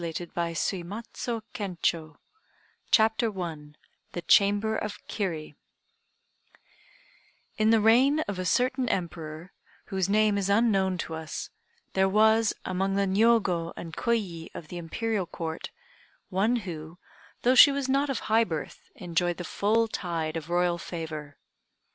"] GENJI MONOGATARI CHAPTER I THE CHAMBER OF KIRI In the reign of a certain Emperor, whose name is unknown to us, there was, among the Niogo and Kôyi of the Imperial Court, one who, though she was not of high birth, enjoyed the full tide of Royal favor.